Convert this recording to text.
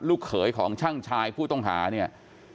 เขยของช่างชายผู้ต้องหาเนี่ย